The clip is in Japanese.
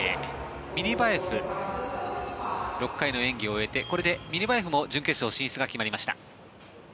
ミニバエフが６回の演技を終えてこれでミニバエフも準決勝進出が決まりました。